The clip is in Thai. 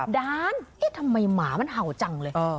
ดานทำไมหมามันเห่าจังเลย